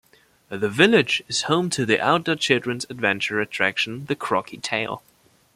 The village is home to the outdoor children's adventure attraction, the Crocky Trail.